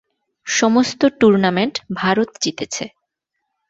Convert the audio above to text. সমস্ত টুর্নামেন্ট ভারত জিতেছে।